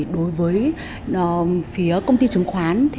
đối với phía công ty chứng khoán